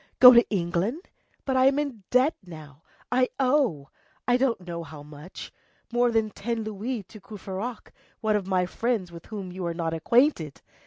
Go to England? But I am in debt now, I owe, I don't know how much, more than ten louis to Courfeyrac, one of my friends with whom you are not acquainted!